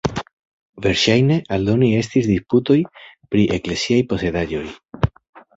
Verŝajne, aldone estis disputoj pri ekleziaj posedaĵoj.